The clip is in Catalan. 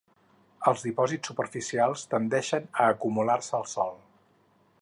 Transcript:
Els dipòsits superficials tendeixen a acumular-se al sòl.